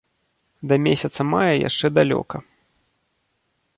Да месяца мая яшчэ далёка.